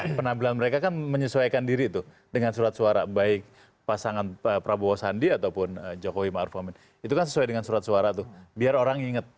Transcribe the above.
karena penampilan mereka kan menyesuaikan diri tuh dengan surat suara baik pasangan prabowo sandi ataupun jokowi ⁇ maruf ⁇ amin itu kan sesuai dengan surat suara tuh biar orang inget